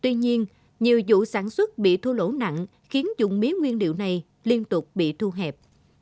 tuy nhiên nhiều vụ sản xuất bị thua lỗ nặng khiến dụng mía nguyên liệu này liên tục bị thu hẹp